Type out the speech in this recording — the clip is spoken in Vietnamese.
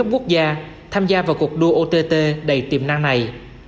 quốc gia tham gia vào cuộc đua ott đầy tiềm năng này